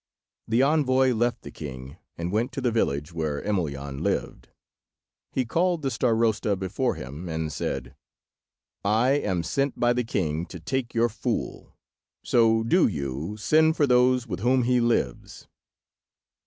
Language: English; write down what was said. The envoy left the king, and went to the village where Emelyan lived. He called the Starosta before him, and said— "I am sent by the king to take your fool. So do you send for those with whom he lives."